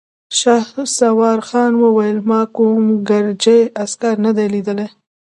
شهسوارخان وويل: ما کوم ګرجۍ عسکر نه دی ليدلی!